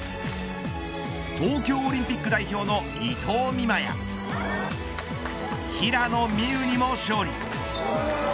東京オリンピック代表の伊藤美誠や平野美宇にも勝利。